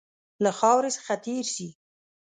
له خاوري څخه تېر شي.